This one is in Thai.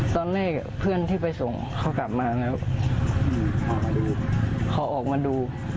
ตอนแรกเพื่อนที่ไปส่งเขากลับมาแล้วเขาออกมาดู